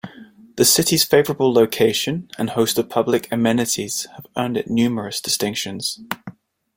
The city's favorable location and host of public amenities have earned it numerous distinctions.